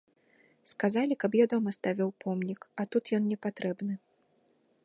Сказалі, каб я дома ставіў помнік, а тут ён непатрэбны.